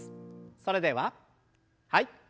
それでははい。